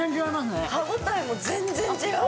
歯応えも全然違う。